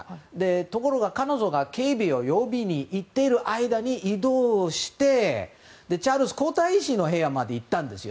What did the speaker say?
ところが彼女が警備を呼びに行っている間に移動してチャールズ皇太子の部屋まで行ったんですよ。